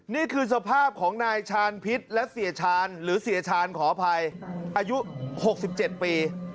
นี่คือสภาพของนายชาญพิษและเสียชาญหรือเสียชาญขออภัยอายุ๖๗ปี